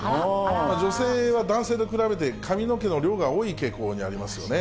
女性は男性と比べて、髪の毛の量が多い傾向にありますよね。